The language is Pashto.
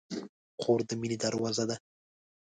خور د مینې دروازه ده.